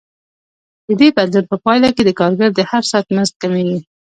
د دې بدلون په پایله کې د کارګر د هر ساعت مزد کمېږي